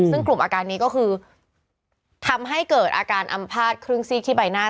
ซึ่งกลุ่มอาการนี้ก็คือทำให้เกิดอาการอำภาษณครึ่งซีกที่ใบหน้า